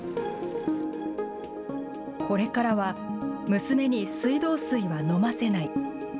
これからは、娘に水道水は飲ませない。